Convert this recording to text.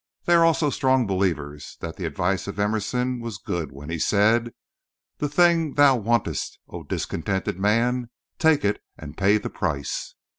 They are also strong believers that the advice of Emerson was good when he said: "The thing thou wantest, O discontented man —take it, and pay the price."